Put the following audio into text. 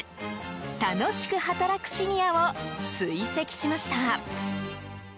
楽しく働くシニアを追跡しました。